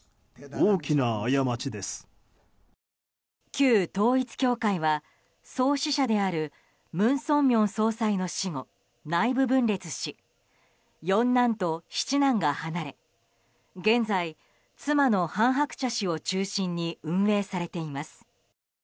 旧統一教会は創始者である文鮮明総裁の死後内部分裂し、四男と七男が離れ現在、妻の韓鶴子氏を中心に運営されています。